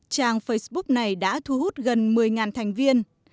trang facebook này đã thu hút gần một mươi thành viên